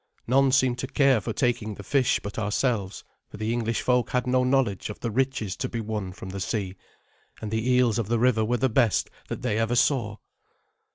None seemed to care for taking the fish but ourselves, for the English folk had no knowledge of the riches to be won from the sea, and the eels of the river were the best that they ever saw.